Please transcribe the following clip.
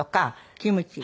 キムチ。